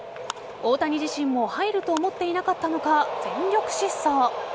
大谷自身も入ると思っていなかったのか全力疾走。